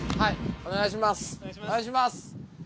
お願いします。